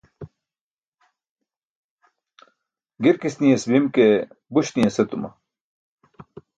Girks niyas bim ke, buś niyas etuma.